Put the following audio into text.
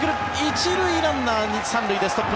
１塁ランナー３塁でストップ。